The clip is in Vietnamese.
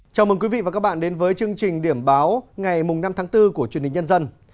chào mừng quý vị và các bạn đến với chương trình điểm báo ngày năm tháng bốn của truyền hình nhân dân